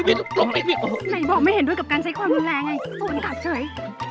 ใครบอกไม่เห็นด้วยกับการใช้ความแรงไอ้สวนกัดเฉย